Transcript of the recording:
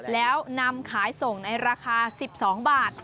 แล้วนำขายส่งในราคา๑๒บาท